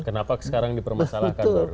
kenapa sekarang dipermasalahkan